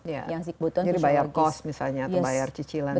jadi bayar kos misalnya atau bayar cicilan rumah